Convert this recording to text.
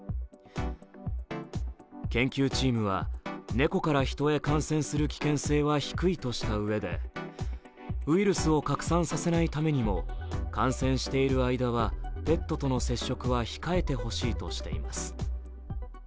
研究チームは、ネコからヒトへ感染する危険性は低いとしたうえでウイルスを拡散させないためにも、感染している間はペットとの接触は控えてほしいとしています。